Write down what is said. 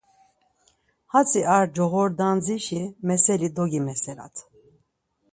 Hatzi ar coğordandzişi meseli dogimeselat.